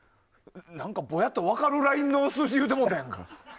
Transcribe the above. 何かぼやっと分かるラインの数字言ってもうたやんか。